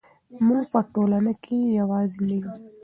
موږ په ټولنه کې یوازې نه یو.